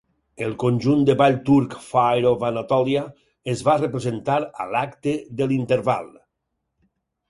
El conjunt de ball turc "Fire of Anatolia" es va representar a l'acte de l'interval.